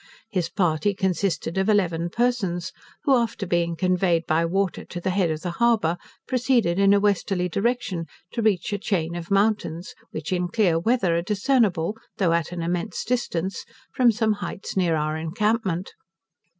His party consisted of eleven persons, who, after being conveyed by water to the head of the harbour, proceeded in a westerly direction, to reach a chain of mountains, which in clear weather are discernible, though at an immense distance, from some heights near our encampment.